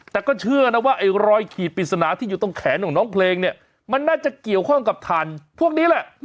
แต่ก็เชื่อนะว่าไอ้รอยขีดปริศนาที่อยู่ตรงแขนของน้องเพลงเนี่ยมันน่าจะเกี่ยวข้องกับฐานพวกนี้แหละ